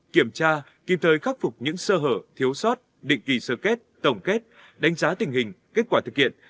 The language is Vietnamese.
kiểm tra kịp thời khắc phục những sơ hở thiếu sót định kỳ sơ kết tổng kết đánh giá tình hình kết quả thực hiện